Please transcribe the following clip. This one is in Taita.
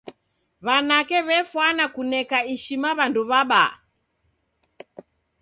W'anake w'efwana kuneka ishima w'andu w'abaa.